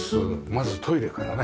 まずトイレからね。